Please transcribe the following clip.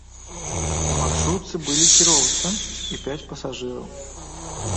У маршрутцы былі кіроўца і пяць пасажыраў.